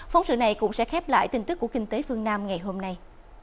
phóng sự này cũng sẽ khép lại tin tức của kinh tế phương nam ngày hôm nay